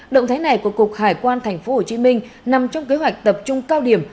động thái này của cục hải quan tp hcm nằm trong kế hoạch tập trung cao điểm